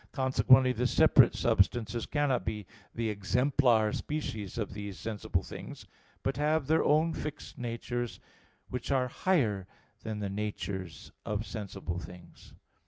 Consequently the separate substances cannot be the exemplar species of these sensible things; but have their own fixed natures, which are higher than the natures of sensible things.